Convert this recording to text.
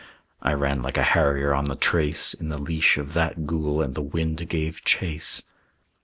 I ran like a harrier on the trace In the leash of that ghoul, and the wind gave chase.